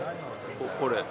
これ。